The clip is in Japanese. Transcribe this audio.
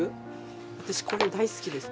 私これ大好きです。